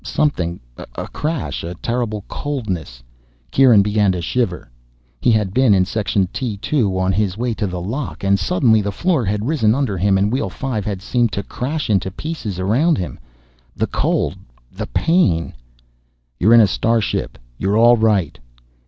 Something, a crash, a terrible coldness Kieran began to shiver. He had been in Section T2, on his way to the lock, and suddenly the floor had risen under him and Wheel Five had seemed to crash into pieces around him. The cold, the pain _You're in a starship. You're all right.